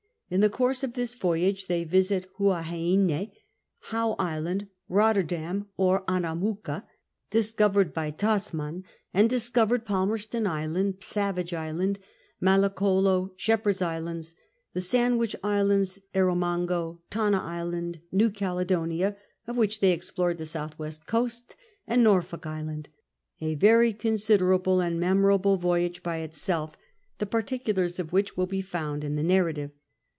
In the course of this voyage they visited Huaheine, Howe Island, Uotterdam or Annamooka, discovered by Tasman, and discovered Palmerston Island, Savage Island, Malli collo, Shepherd's Islands, the Sandwich Islands, Erro raango, Tanna Island, New Caledonia, of which they explored the south west coast^ and Norfolk Island — a very considerable and mcmoralde voyage by itself, the paiticulars of wliich will be found in the narrative.